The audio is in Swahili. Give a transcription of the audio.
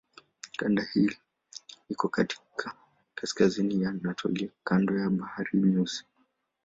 Kanda hii iko katika kaskazini ya Anatolia kando la Bahari Nyeusi.